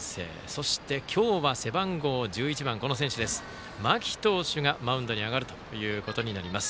そして、今日は背番号１１番間木投手がマウンドに上がることになります。